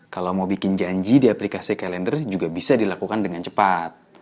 kalau mau bikin janji di aplikasi kalender juga bisa dilakukan dengan cepat